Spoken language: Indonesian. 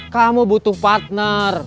kamu butuh partner